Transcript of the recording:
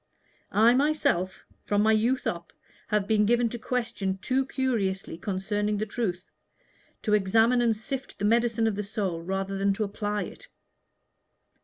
I myself, from my youth up, have been given to question too curiously concerning the truth to examine and sift the medicine of the soul rather than to apply it."